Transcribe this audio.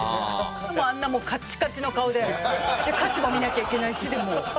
もうあんなカチカチの顔で歌詞も見なきゃいけないしでもう。